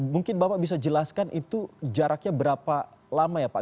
mungkin bapak bisa jelaskan itu jaraknya berapa lama ya pak